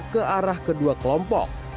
ke arah kedua kelompok